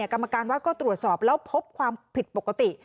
กรรมการวัดก็ตรวจสอบแล้วพบความผิดปกติ